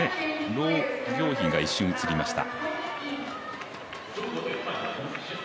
盧暁敏が一瞬、映りました。